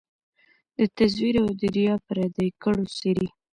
د تزویر او د ریا پردې کړو څیري